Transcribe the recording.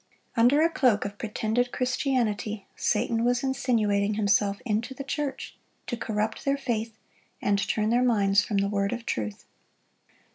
Under a cloak of pretended Christianity, Satan was insinuating himself into the church, to corrupt their faith, and turn their minds from the word of truth.